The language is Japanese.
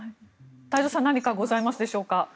太蔵さん何かございますでしょうか。